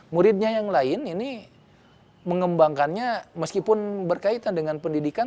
muridnya yang lain ini mengembangkannya meskipun berkaitan dengan pendidikan